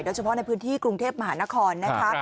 เฉพาะในพื้นที่กรุงเทพมหานครนะคะ